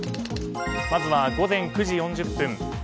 まずは午前９時４０分。